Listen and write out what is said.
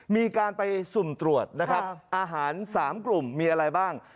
มีการไปสุ่มตรวจนะครับอาหาร๓กลุ่มมีอะไรบ้าง